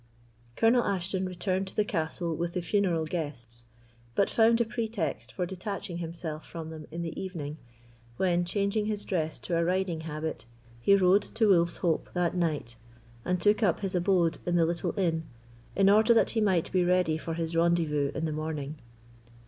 Colonel Ashton returned to the castle with the funeral guests, but found a pretext for detaching himself from them in the evening, when, changing his dress to a riding habit, he rode to Wolf's Hope, that night, and took up his abode in the little inn, in order that he might be ready for his rendezvous in the morning.